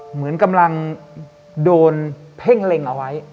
เหมือนกำลังโดนเพ่งเล็งเอาไว้